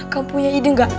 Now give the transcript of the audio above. kau punya ide nggak